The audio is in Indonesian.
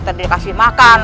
teriak teriak kasih makan